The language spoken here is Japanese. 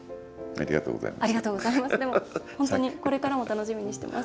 ありがとうございます。